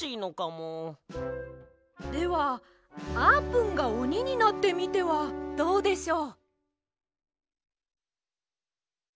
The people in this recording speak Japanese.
ではあーぷんがおにになってみてはどうでしょう？